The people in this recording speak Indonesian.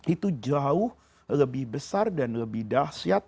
itu jauh lebih besar dan lebih dahsyat